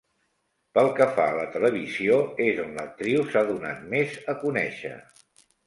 Pel que fa a la televisió és on l'actriu s'ha donat més a conèixer.